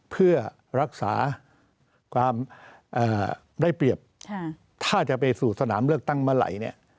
เพื่อรักษาได้เปรียบถ้าจะไปสู่สถานาเลือกตั้งเมื่อไหร่